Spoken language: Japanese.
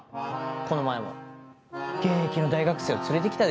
この前も現役の大学生を連れてきたでしょ？